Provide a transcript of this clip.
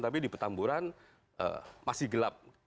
tapi di petamburan masih gelap